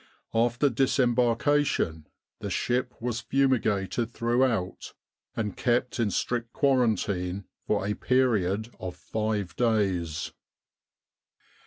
After disembarkation the ship was fumigated 44 Egypt and the Great War throughout, and kept in strict quarantine for a period of five days."